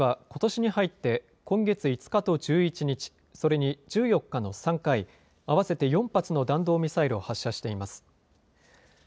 北朝鮮はことしに入って今月５日と１１日、それに１４日の３回、合わせて４発の弾道ミサイルを発射しています。